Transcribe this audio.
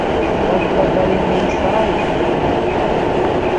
Eragira ddala enneeyisaayo eya nnamaddala.